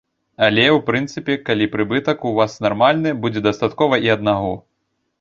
Але, у прынцыпе, калі прыбытак у вас нармальны, будзе дастаткова і аднаго.